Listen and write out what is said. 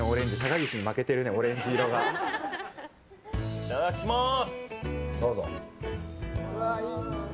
いただきます。